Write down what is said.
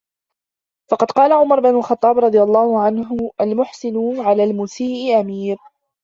فَقَدْ قَالَ عُمَرُ بْنُ الْخَطَّابِ رَضِيَ اللَّهُ عَنْهُ الْمُحْسِنُ عَلَى الْمُسِيءِ أَمِيرٌ